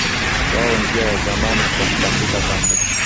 wao njia ya zamani kwa kubandika kamba